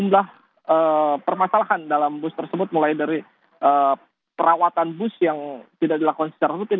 dan selama ini memang ada sejumlah permasalahan dalam bus tersebut mulai dari perawatan bus yang tidak dilakukan secara rutin